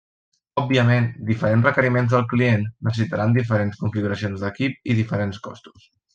Òbviament, diferents requeriments del client necessitaran diferents configuracions d'equip i diferents costos.